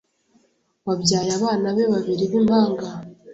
wabyaye abana be babiri b’impanga